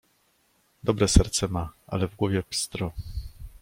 "Dobre serce ma, ale w głowie pstro..."